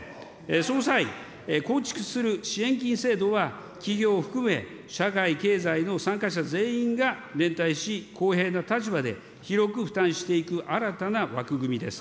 その際、構築する支援金制度は、企業を含め、社会経済の参加者全員が連帯し、公平な立場で広く負担していく新たな枠組みです。